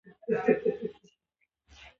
اداري شفافیت باور جوړوي